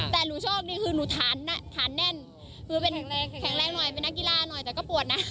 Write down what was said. แต่หนูชอบนี่คือหนูฐานแน่นคือเป็นแข็งแรงหน่อยเป็นนักกีฬาหน่อยแต่ก็ปวดนะ